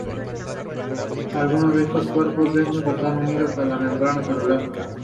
Algunos de estos cuerpos densos están unidos a la membrana celular.